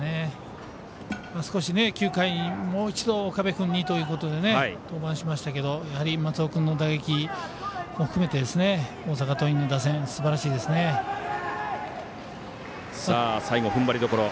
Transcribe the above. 少し９回、もう一度岡部君にということで登板しましたけどやはり松尾君の打撃も含めて最後、ふんばりどころ。